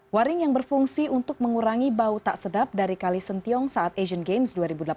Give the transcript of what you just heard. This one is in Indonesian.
waring yang berfungsi untuk mengurangi bau tak sedap dari kali sentiong saat asian games dua ribu delapan belas